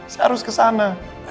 saya harus kesana